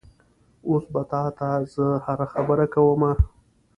اوس به تا ته زه هره خبره کومه؟